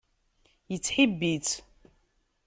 Yettḥibbi-tt.